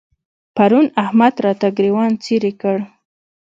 پرون احمد راته ګرېوان څيرې کړ.